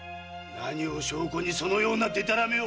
何を証拠にそのようなでたらめを？